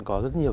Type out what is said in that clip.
có rất nhiều